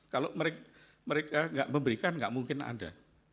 kalau mereka gak memberikan gak mungkin ada